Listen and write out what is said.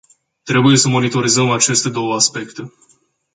Trebuie să monitorizăm aceste două aspecte.